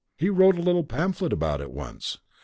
He wrote a little pamphlet about it once."